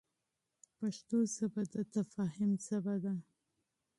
پښتو ژبه د تفاهم ژبه ده.